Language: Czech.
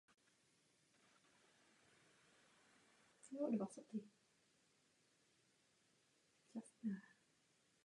Byl absolventem Zemědělské technické školy v Opavě.